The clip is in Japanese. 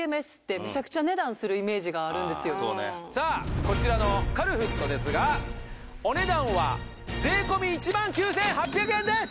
しかもこういうさあこちらのカルフットですがお値段は税込１９８００円です！